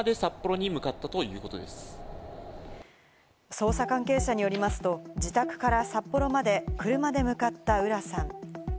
捜査関係者によりますと、自宅から札幌まで車で向かった浦さん。